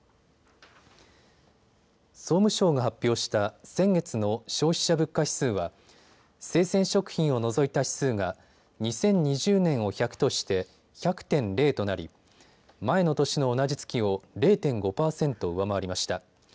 総務省が発表した先月の消費者物価指数は生鮮食品を除いた指数が２０２０年を１００として１００．０となり、前の年の同じ月を０．５％上回りました。